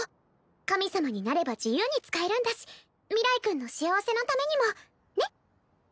神様になれば自由に使えるんだし明日君の幸せのためにもねっ！